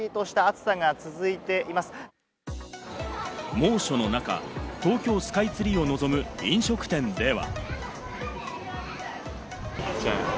猛暑の中、東京スカイツリーを望む飲食店では。